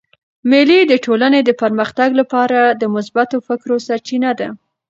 مېلې د ټولني د پرمختګ له پاره د مثبتو فکرو سرچینه ده.